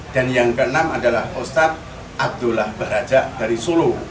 dan yang keenam adalah ustadzah abdullah barajah dari sulu